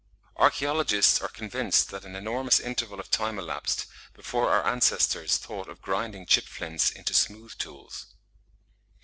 Archaeologists are convinced that an enormous interval of time elapsed before our ancestors thought of grinding chipped flints into smooth tools.